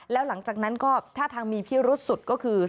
แล้วหลังจากนั้นก็ท่าทางมีพิรุษสุดก็คือ